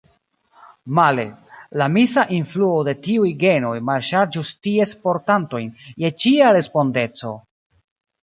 Male: la misa influo de tiuj genoj malŝarĝus ties portantojn je ĉia respondeco!